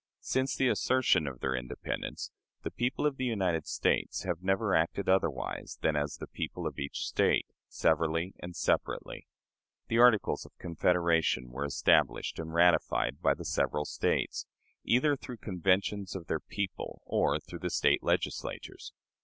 Since the assertion of their independence, the people of the United States have never acted otherwise than as the people of each State, severally and separately. The Articles of Confederation were established and ratified by the several States, either through conventions of their people or through the State Legislatures.